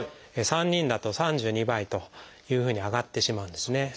３人だと３２倍というふうに上がってしまうんですね。